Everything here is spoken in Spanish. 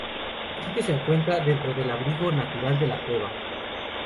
El sitio se encuentra dentro al abrigo natural de la cueva.